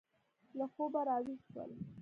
له خوبه را ویښ شول.